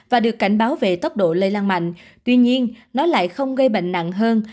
và được cảnh báo về tốc độ lây lan mạnh tuy nhiên nó lại không gây bệnh nặng hơn